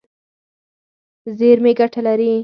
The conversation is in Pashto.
زیرمې ګټه لري.